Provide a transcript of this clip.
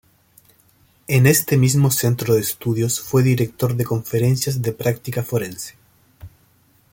En este mismo centro de estudios fue director de Conferencias de Práctica Forense.